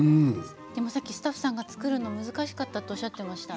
さっきスタッフさんが作るの難しいと言っていました。